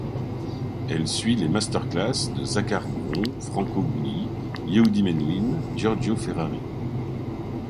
Elle suit les masterclasses de Zakhar Bron, Franco Gulli, Yehudi Menuhin, Giorgio Ferrari.